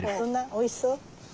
おいしそう？